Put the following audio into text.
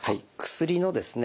薬のですね